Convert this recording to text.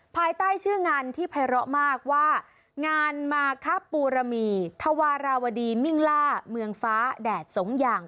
ภายใต้ชื่องานที่ภัยร้อมากว่างานมาครับปูรมีธวาราวดีมิ่งล่าเมืองฟ้าแดดสงอย่าง